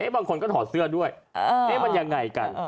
บางคนก็ถอดเสื้อด้วยมันยังไงกัน